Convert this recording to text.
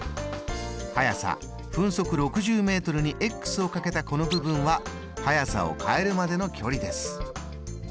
速さ分速６０ｍにかけたこの部分は速さを変えるまでの距離です。